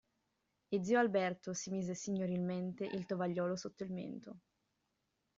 E zio Alberto si mise signorilmente il tovagliolo sotto il mento.